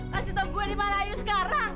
kasih tau gue dimana ayu sekarang